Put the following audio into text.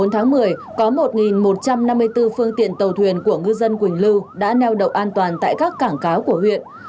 bốn tháng một mươi có một một trăm năm mươi bốn phương tiện tàu thuyền của ngư dân quỳnh lưu đã neo đậu an toàn tại các cảng cá của huyện